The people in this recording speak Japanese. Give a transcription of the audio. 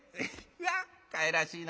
わっかわいらしいな。